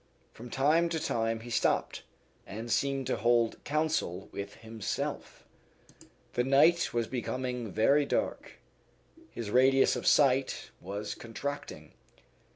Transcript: From time to time he stopped, and seemed to hold counsel with himself. The night was becoming very dark. His radius of sight was contracting.